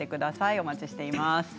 お待ちしています。